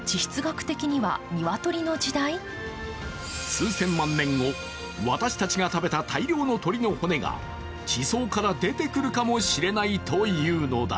数千万年後、私たちが食べた大量の鶏の骨が地層から出てくるかもしれないというのだ。